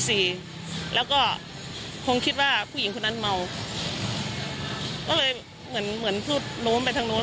คงคิดว่าผู้หญิงคนนั้นเมาก็เลยเหมือนเหมือนพูดโน้มไปทางโน้น